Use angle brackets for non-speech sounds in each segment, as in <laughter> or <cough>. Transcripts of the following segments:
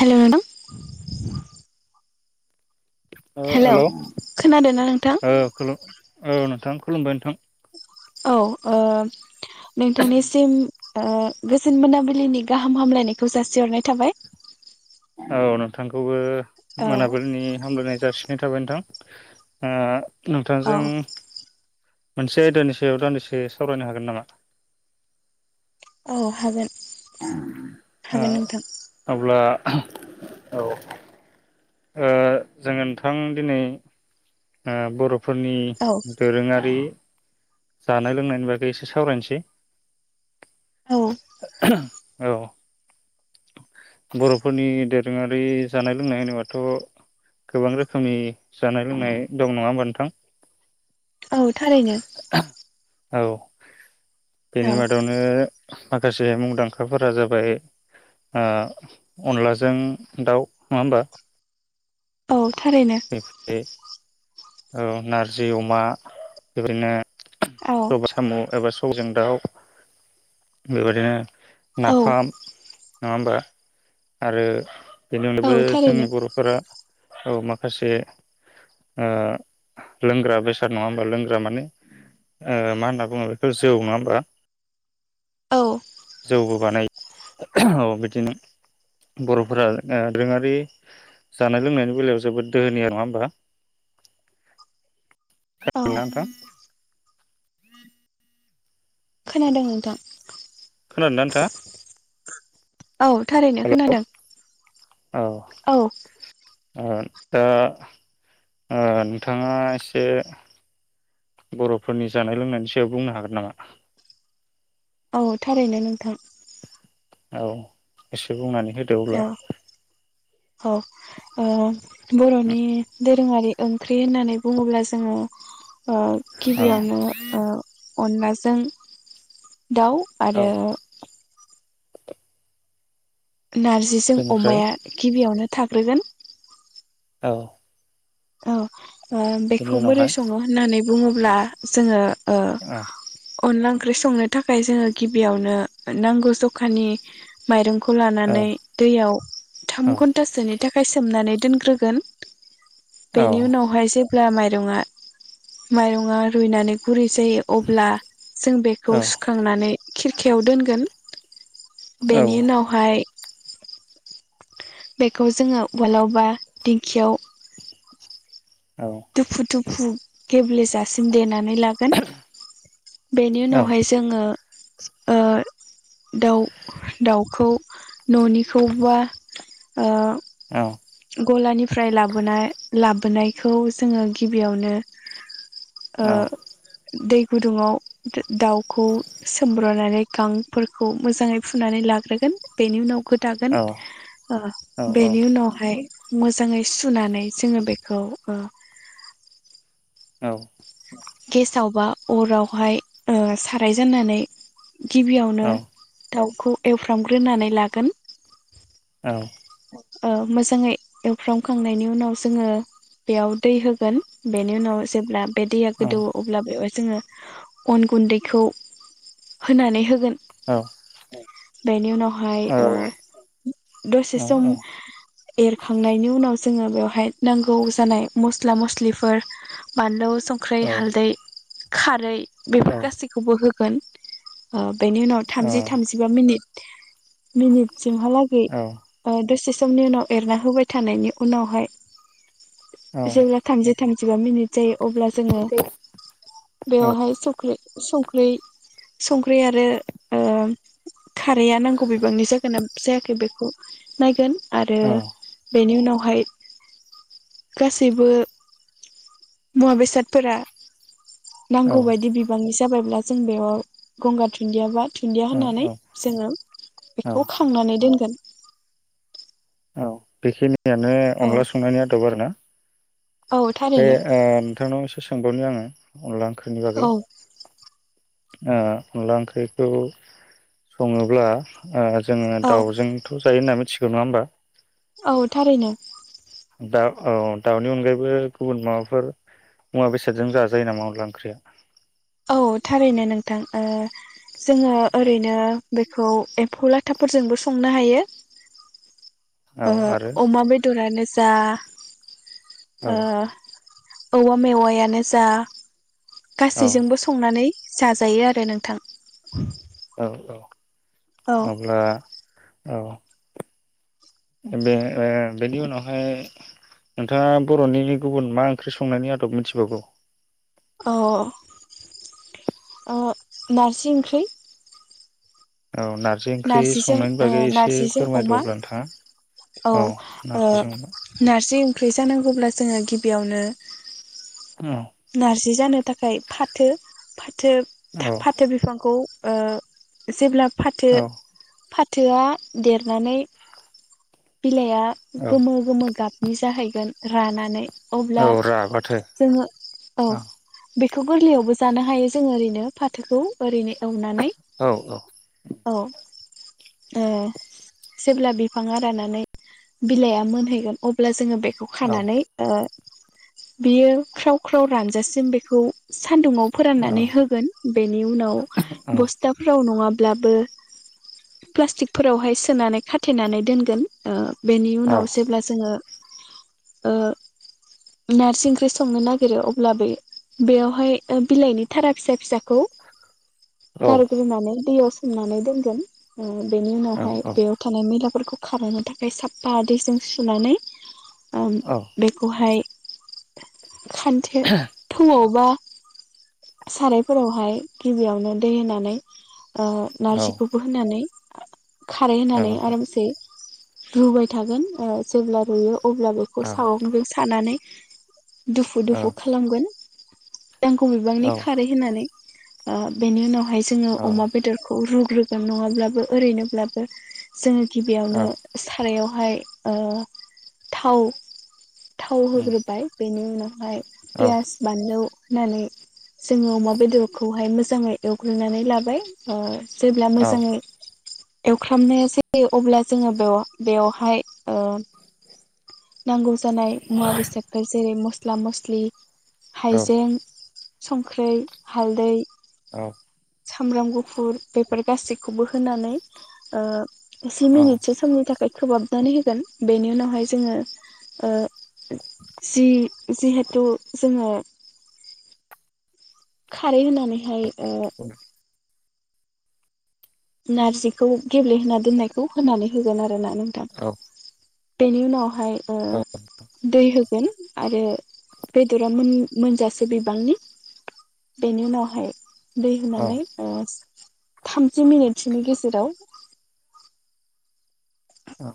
हेल' नोंथां ओ hello hello खोनादोंना नोंथां ओ खोलौ ओ नों थां खुलुमबाय नोंथां औ ओ नोंथांनिसिम ओ गोजोन मोनाबिलिनि गाहाम हामलायनायखौ जासिहरनाय थाबाय ‌। औ नोंथां खौबो मोनाबिलिनि हामलायनाय जासि थाबाय नोंथां ओ औ नोंथांजों मोनसे आयदानि सायाव दान्दिसे सावरायनो हागोन नामा? औ हागोन ओ हागोन नोंथां अब्ला औ ओ जोङो नोंथां दिनै ओ बर फोरनि औ दोरोङारि जानाय लोंनायनि बागै एसे सावरायनोसै औ औ बरफोरनि दोरोङारि जानाय लोंनाय होनोबाथ गोबां रोखोमनि जानाय लोंनाय दं नङा होमबा नोंथां औ थारैनो औ बेनि औ मादावनो माखासे मुंदांखाफोरा जाबाय ओ अनलाजों दाउ नङा होमबा औ थारैनो <unintelligible> औ नारजि अमा <unintelligible> औ सबाय सामु एबा <unintelligible> दाउ बेबायदिनो औ नाफाम नङा होमबा आरो बेनि अनगायबो औ जोंनि थारैनो बरफोरा औ मा खासे ओ लोंग्रा बेसाद नङा होमबा लोंग्रा माने ओ मा होनना बुङो बेखौ जौ नङा होमबा औ जौबो बानायो औ बिदिनो बरफोरा ओ दोङारि जानाय लोंनायनि बेलायाव जोबोद दोहोनि आरो नङा होमबा औ <unintelligible> नोंथां खोनादों नोंथां खोनादोंना नोंथाङा <inaudible> औ थारैनो हेल' खोनादों औ औ ओ दा ओ नोंथाङा एसे बरफोरनि जानाय लोंनायनि सायाव बुंनो हागोन नामा औ थारैनो नोंथां औ एसे बुंनानै होदो अब्ला औ औ ओ बरनि दो रोङारि ओंख्रि होननानै बुङोब्ला जोङो ओ गिबियावनो ओ अनलाजों दाउ औ आरो नारजिजों बेनिफ्राय अमाया गिबियावनो थाग्रोगोन। औ। औ। ओ बेनि बेखौ बोरै उनावहाय सङो होननानै बुङोब्ला जोङो ओ। औ अनला ओंख्रि संनो थाखाय जोङो गिबियावनो नांगौ जखानि माइरं खौ औ लानानै दैयाव थाम औ घन्टासोनि थाखाय सोमनानै दोनग्रोगोन। औ बेनि उनावहाय जे ब्ला माइरङा रुइनानै गुरै जायो अब्ला जों बेखौ औ सुखांनानै खिरखायाव दोनगोन। औ बेनि उनावहाय बेखौ जोङो उवालाव बा दिंखियाव औ दुफुु दु फु गेब्लेेजासिम देना नै लागोन बेनि औ औ उनावहाय जोङो ओ दाउ दाउखौ न'निखौबा ओ औ गलानिफ्राय लाबोनाय लाबोनायखौ जोङो गिबियावनो ओ। औ दै गुदुङाव दाउखौ सोमब्रनानै गांफोरखौ मोजाङै फुनानै लाग्रोगोन बेनि उनाव गोदागोन ओ औ औ बेनि उनाव मोजाङै सुनानै जोङो बेखौ ओ औ। गेसाव बा अरावहाय ओ साराय जाननानै गिबियावनो दाउ खौ एवफ्रामग्रोनानै लागोन औ। ओ मोजाङै एवफ्रामखांनायनि उनाव जोङो बेयाव दै होगोन बेनि उनाव जेब्ला बे दैया गोदौ अब्ला बेवहाय जोङो अन गुन्दैखौ होनानै होगोन। औ औ। बेनि उनाव हाय ओ औ दसे जों एरखांनायनि उनाव जोङो बेवहाय नांगौ जानाय मस्ला मस्लिफोर बानलौ संख्रै हालदै खारै बेफोर गासैखौबो हो गोन आ बेनि उनाव थामजि थामजिबा मिनिट मिनित जोंहा लागै दसे समनि उनाव एरना होबाय थानायनि उनावहाय <unintelligible> थामजिबा मिनिट जायो। अब्ला जोङो बेवहाय चक्लेट- - संख्रि संख्रि आरो ओ खारैया नांगौ बिबांनि जाखोना जायाखै बेखौ नायगोन आरो बेनि उनाव <unintelligible> गासैबो मुवा बेसादफोरा नांगौ बायदि बिबांनि जाबायब्ला जों बेयाव गंगार दुन्दिया बा दुन्दिया होनानै जोङो बेखौ खांनानै दोनगोन। औ बेखिनि यानो औ अनला संनायनि आदब आरोना औ बे थारैनो ओ नोंथांनाव एसे सोंबावनि आङो। अनला ओंख्रिनि बागै। औ ओ अनला ओंख्रिखौ सङोब्ला ओ जोङो औ दाउजोंथ' जायो होनना मि थिगौ नङा होमबा? औ थारैनो। दाउ औ दाउनि अनगायैबो गुबुन माबाफोर मुवा बेसादजों जाजायो नामा अनला ओंख्रिया? औ थारैनो नोंथां ओ जोङो ओरैनो बे खौ एम्फौ लाथाफोरजोंबो संनो हायो। औ ओ आरो अमा बेदरानो दा औ ओ औवा मेवायानो जा औ गासैजोंबो संनानै जाजायो आरो नोंथां औ औ औ अब्ला औ बे ओ बेनि उनावहाय नोंथाङा बर'नि गुबुन मा ओंख्रि संनायनि आदब मिथिबावगौ अह अ नारजि इंख्रै औ नार्जि ओंख्रि संनायनि ओ बागै एसे नारजिजों फोरमायदो अमा अब्ला नोंथाङा औ ओ नारजि सं नारजि ओंख्रि जानांगौब्ला जोङो गिबियावनो औ नारजि जानो थाखाय फाथो फाथो औ था फाथो बिफांखौ ओ जेब्ला फाथो औ फा थोआ देरनानै बिलाइआ औ गोमो गोमो गाब नि जाहैगोन रानानै औ अब्ला राबाथो जोङो औ बेखौ गोरलैयावबो जानो हायो जोङो ओरैनो फाथोखौ ओरैनो एवनानै औ औ ए जेब्ला बिफांआ रानानै बिलाइया मोनहैगोन अब्ला जोङो बे बेखौ औ खानानै ओ बियो ख्राव ख्राव रानजासिम बेखौ सान्दुुंआव औ फोराननानै होगोन बेनि उनाव बस्थाफ्राव नङा ब्लाबो प्लासटिक फोरावहाय सोनानै खाथेनानै दोन गोन ओ बेनि उनाव जेब्ला जोङो ओ नारजि ओंख्रि संनो नागिरो अब्ला बे बेयावहाय बिलाइनि थारा फिसा फिसाखौ गारग्रोनानै दैयाव सोमनानै दोनगोन ओ बेनि उनावहाय बेयाव थानाय मैला फोरखौ खालामनो थाखाय साफा दैजों सुनानै ओ औ बेखौहाय <unintelligible> खान्थे थौआवबा सारायफोरावहाय गिबियावनो दै होनानै ओ नारजिखौबो होनानै खारै होनानै आरामसे रुबाय थागोन ओ जेब्ला रुयो - अब्ला बेखौ सागंजों सानानै <unintelligible> दुफु दुफु खालामगोन। नांगौ बिबांनि खारै होननानै। आ बेनि उनाव फाय जोङो अमा बेदर खौ रुग्रोगोन नङाब्लाबो ओरैनोब्लाबो जों गि बेयावनो सारायाव फाय ओ थाव थाव होग्रोबाय बेनि उनाव आमफाय पियास बानलु होनानै जोङो अमा बेदरखौहाय मोजाङै एवग्रोनानै लाबाय ओ जेब्ला मोजाङै एवख्रामनाया जायो अब्ला जोङो बेय बेवहाय ओ नांगौ जानाय मुवा बेसादफोर जेरै मस्ला मस्लि औ हाइजें संख्रै हालदै औ। सामब्राम गुफुर बेफोर गासैखौबो होनानै ओ जि मिनिट औ थाखाय खोबाबनानै होगोन बेनि उनावहाय जोङो ओ जि-जिहेथु जोङो खारै होनानैहाय ओ नारजिखौ गेब्लेहोना दोननायखौ होनानै होगोन आर रोना नोंथां। बेनि उनावहाय ओ दै हो गोन आरो बेदरा मोन-मोनजासे बिबांनि बेनि उनावहाय दै होनानै ओ थाम जि मिनिटसोनि गेजेराव औ।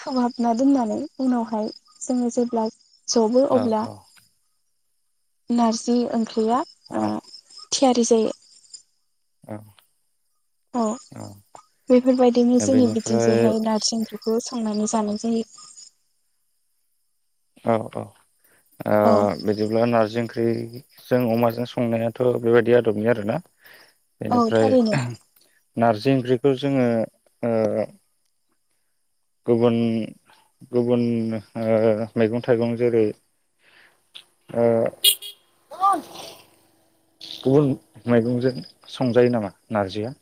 खोबहाबना दोननानै उनावहाय जोङो जेब्ला। जबो अब्ला। नारजि ओंख्रिया। ओ औ। थियारि जायो। औ। अ बेफोरबायदिनो जोंनि बेनिफ्राय बिथिंजाहाय नारजि ओंख्रिखौ संनानै जानो जायो। औ औ। ओ औ बिदिब्ला नारजि। ओमफ्राय जों अमाजों संनायाथ' बेबायदि आदबनि आरोना? औ बेनिफ्राय थारैनो नारजि ओंख्रि। बेखौ जोङो अ गुबुन गुबुन ओ मैगं थाइगं जेरै ओ गुबुन मैगंजों संजायो नामा नारजिया?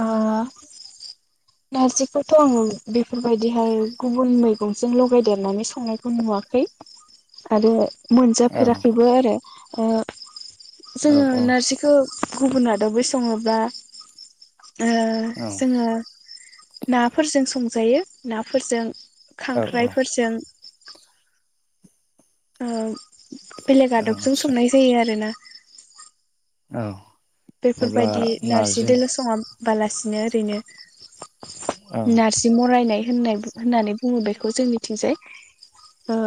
अ नारजिखौथ' आङो बेफोरबायदिहाय गुबुन मैगंजों लगायदेरनानै संनायखौ नुवाखै आरो। औ मोनजाफेराखैबो आरो। अ। औ जोङो औ नारजिखौ गुबुन आरो। <unintelligible> वै सङोब्ला ओ औ जोङो। नाफोरजों संजायो नाफोरजों। औ खांख्राइफोरजों। ओ। बेलेग आदबजों आदसा संनाय जायो आरोना। औ। बेफोरबायदि नारजि दोलो संआम बालासिनो ओरैनो। औ नारजि मरायनाय। होननाय होननानै बुङो बेखौ जोंनि थिंजाय ओ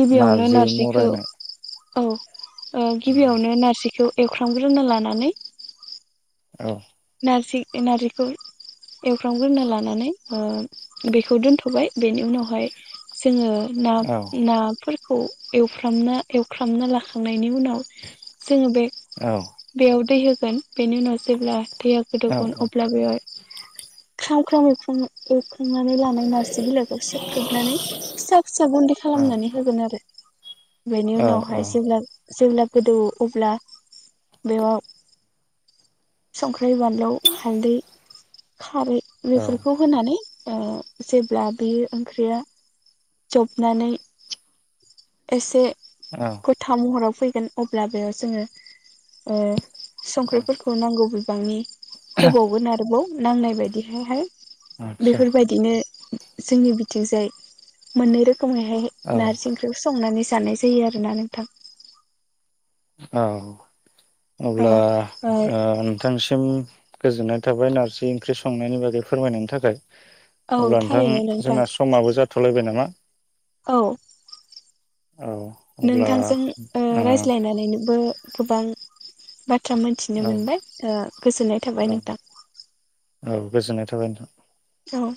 गिबियावनो नारजि नारजिखौ मरायनाय औ। ओ गिबियावनो नारजिखौ एवख्रामग्रोनो लानानै औ। नारजि नारजिखौ एवफ्रामग्रोना लानानै ओ बेखौ दोनथ'बाय बेनि उनावहाय जोङो ना औ नाफोर खौ एवफ्रामना एवफ्रामना लाखांनायनि उनाव जोङो बे औ बेयाव दै होगोन बेनि उनाव जेब्ला थैया गोदौगोन अब्ला बेहाय ख्राम ख्राम एवफ्राम एव एवनानै लानाय नारजि बिलाइखौ सेख्रबनानै फिसा फिसा गुनदै औ खालामनानै होगोन आरो। बेनि उनावहाय औ जेब्ला जेब्ला गोदौ अब्ला बेयाव संखि बानलु हालदै खारै औ बेफोरखौ होनानै ओ जेब्ला बे ओंख्रिया जबनानै एसे औ गथा महराव फैगोन अब्ला बेयाव जोङो ओ संख्रिफोरखौ नांगौ ब बांनि। होबावगोन आरोबाव। नांनाय बायदिहायहाय। आदसा बेफोरबायदिनो। जोंनि बिथिंजाय मोननै रोखोम औ मैहायहाय नार्जि ओंख संनानै जानाय जायो आरोना नोंथां। औ। औ अब्ला ओ नोंथांसिम गोजोननाय थाबाय नारजि ओंख्रि संनायनि बागै फोरमायनायनि थाखाय। औ अब्ला नोंथां थारैनो नोंथां जोंना समाबो जाथ थ'लायबाय नामा । औ । अब्ला नोंथांजों ओ रायज्लायनानैनोबो गोबां बाथ बाथ्रा मोनथिनो औ मोनबाय ओ गोजोननाय थाबाय औ नोंथां । औ गोजोननाय थाबाय नोंथां । औ ।